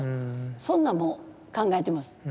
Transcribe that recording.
そんなんも考えてます。